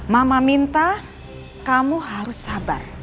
mama minta kamu harus sabar